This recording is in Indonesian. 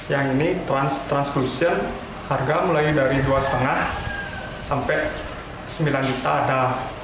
yang ini transclusion harga mulai dari dua lima sampai sembilan juta ada